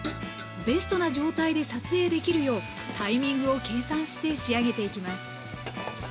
ベストな状態で撮影できるようタイミングを計算して仕上げていきます